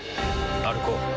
歩こう。